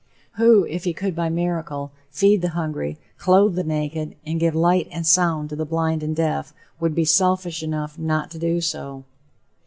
Who, if he could by miracle feed the hungry, clothe the naked and give light and sound to the blind and deaf, would be selfish enough not to do so?